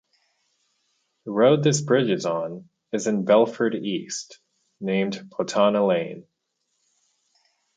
The road this bridge is on, is in Belford East, named Pothana Lane.